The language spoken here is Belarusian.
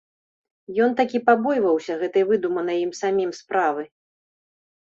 Ён такі пабойваўся гэтай, выдуманай ім самім, справы.